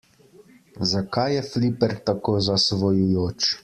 Zakaj je fliper tako zasvojujoč?